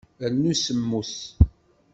Rnu semmus.